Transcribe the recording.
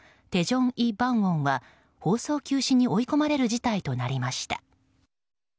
「テジョン・イ・バンウォン」は放送休止に追い込まれる事態となりました。